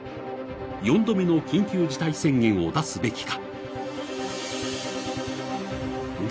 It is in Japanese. ４度目の緊急事態宣言を出すべきか。